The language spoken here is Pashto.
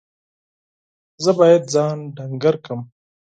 زه باید ځان ډنګر کړم.